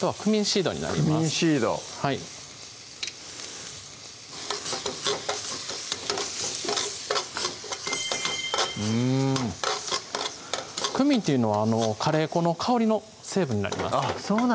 シードはいうんクミンっていうのはカレー粉の香りの成分になりますそうなんですね